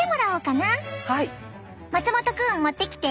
松元くん持ってきて。